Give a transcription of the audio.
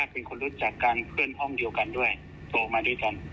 ประเด็นมากจากที่เงินนี้แล้วครับ